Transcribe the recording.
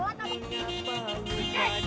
kenapa berjajan disini